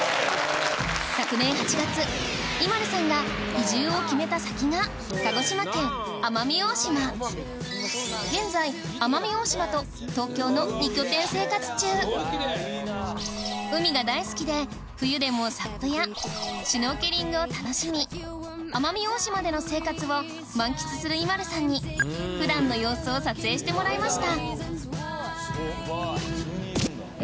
昨年８月ＩＭＡＬＵさんが移住を決めた先が鹿児島県現在奄美大島と東京の２拠点生活中海が大好きで冬でもサップやシュノーケリングを楽しみ奄美大島での生活を満喫するＩＭＡＬＵさんに普段の様子を撮影してもらいましたえ